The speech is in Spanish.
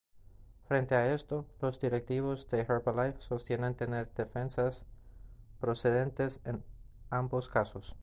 Frente a esto, los directivos de Herbalife sostienen tener defensas procedentes en ambos casos.